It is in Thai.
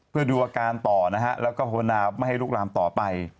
เพื่อดูอาการต่อนะฮะแล้วก็ภาวนาไม่ให้ลุกรามต่อไป